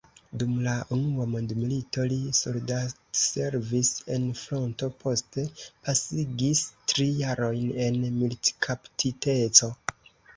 Dum la unua mondmilito li soldatservis en fronto, poste pasigis tri jarojn en militkaptiteco.